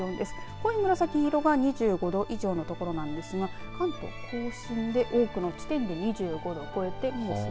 濃い紫色が２５度以上の所ですが関東甲信で多くの地点で２５度を超えています。